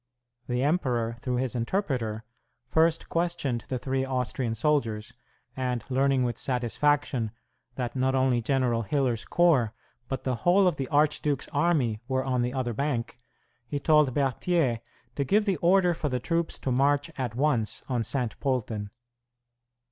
The emperor, through his interpreter, first questioned the three Austrian soldiers, and learning with satisfaction that not only General Hiller's corps, but the whole of the archduke's army, were on the other bank, he told Berthier to give the order for the troops to march at once on Saint Polten.